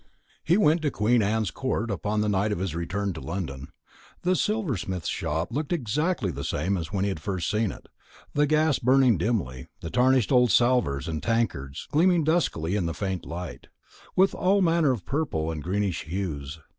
He went to Queen Anne's Court upon the night of his return to London. The silversmith's shop looked exactly the same as when he had first seen it: the gas burning dimly, the tarnished old salvers and tankards gleaming duskily in the faint light, with all manner of purple and greenish hues.